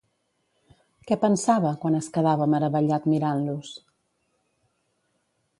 Què pensava quan es quedava meravellat mirant-los?